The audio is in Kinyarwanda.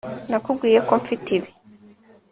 Nakubwiye ko mfite ibi